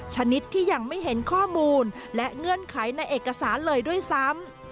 ชนิดที่ยังไม่เห็นข้อมูลและเงื่อนไขในเอกสารเลยด้วยซ้ำ